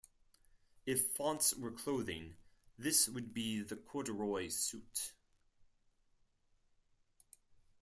If fonts were clothing, this would be the corduroy suit.